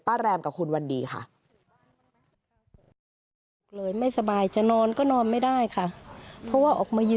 แรมกับคุณวันดีค่ะ